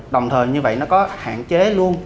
đồng thời như vậy nó có hạn chế luôn